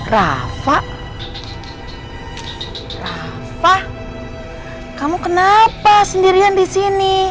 rafa rafa kamu kenapa sendirian disini